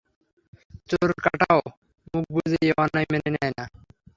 চোরকাঁটাও মুখ বুজে এ অন্যায় মেনে নেয় না।